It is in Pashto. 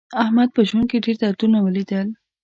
احمد په ژوند کې ډېر دردونه ولیدل.